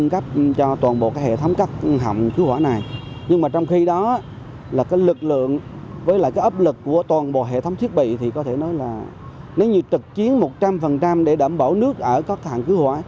có thể nói là nếu như trực chiến một trăm linh để đảm bảo nước ở các hàng cứu hỏa